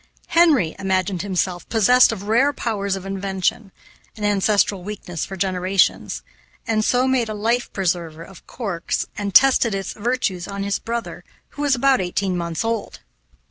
Henry imagined himself possessed of rare powers of invention (an ancestral weakness for generations), and so made a life preserver of corks, and tested its virtues on his brother, who was about eighteen months old.